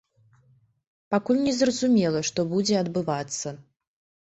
Пакуль не зразумела, што будзе адбывацца.